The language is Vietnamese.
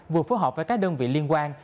vừa phối hợp với các đơn vị liên quan